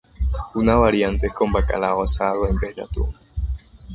Una variante es con bacalao asado en vez de atún.